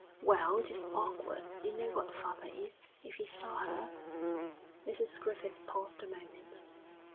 'Well, it is awkward. You know what father is; if he saw her.'... Mrs Griffith paused a moment.